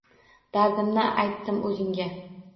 Dardimni aytdim o‘zingga